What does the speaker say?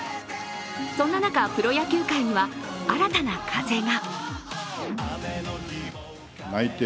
そんな中、プロ野球界には新たな風が。